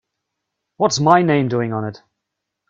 What's my name doing on it?